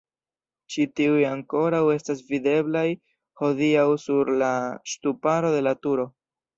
Ĉi tiuj ankoraŭ estas videblaj hodiaŭ sur la ŝtuparo de la turo.